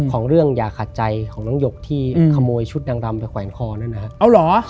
ของเรื่องยาขาดใจของน้องยกที่ขโมยชุดนางรำไปแขวนคอนั่นนะครับ